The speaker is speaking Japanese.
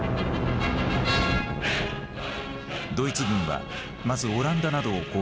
ドイツ軍はまずオランダなどを攻撃。